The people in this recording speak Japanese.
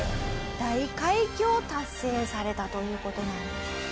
大快挙を達成されたという事なんです。